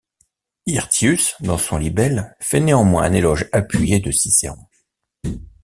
Hirtius, dans son libelle, fait néanmoins un éloge appuyé de Cicéron.